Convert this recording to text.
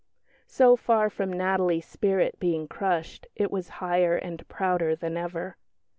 So far from Natalie's spirit being crushed, it was higher and prouder than ever.